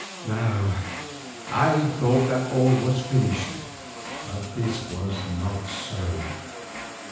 Now I thought that all was finished, but this was not so.